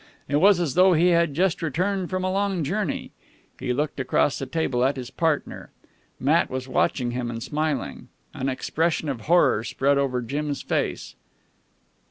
It was as though he had just returned from a long journey. He looked across the table at his partner. Matt was watching him and smiling. An expression of horror spread over Jim's face.